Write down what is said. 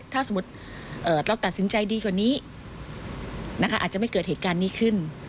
ถ้าสมมุติเราตัดสินใจดีกว่านี้อาจจะไม่เกิดเหตุการณ์นี้ขึ้น